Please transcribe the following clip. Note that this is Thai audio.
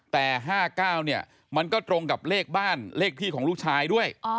แต่๕๙เนี่ยมันก็ตรงกับเลขบ้านเลขที่ของลูกชายด้วย